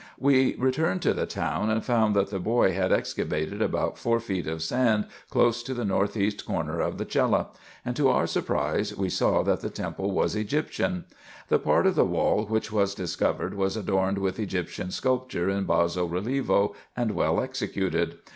We returned to the town, and found that the boy had ex cavated about four feet of sand close to the north east corner of the cella ; and, to our surprise, we saw that the temple was Egyptian. The part of the wall which was discovered was adorned with Egyptian sculpture in basso relievo, and well executed.